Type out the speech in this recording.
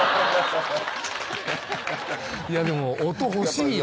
でも音欲しいよ